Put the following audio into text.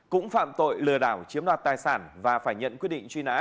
cũng phạm tội lừa đảo chiếm đoạt tài sản và phải nhận quyết định truy nã